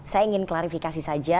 saya ingin klarifikasi saja